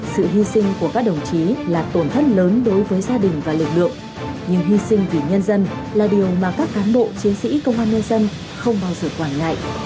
sự hy sinh của các đồng chí là tổn thất lớn đối với gia đình và lực lượng nhưng hy sinh vì nhân dân là điều mà các cán bộ chiến sĩ công an nhân dân không bao giờ quản ngại